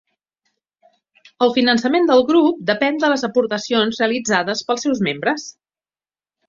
El finançament del grup depèn de les aportacions realitzades pels seus membres.